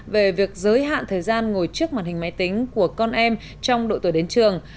về việc giới hạn thời gian ngồi trước màn hình máy tính của con em trong độ tuổi đến trường